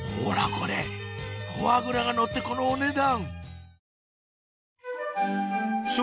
これフォアグラがのってこのお値段